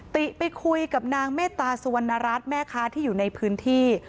ติไปคุยกับนางเมตตาสุวรรณรัฐแม่ค้าที่อยู่ในพื้นที่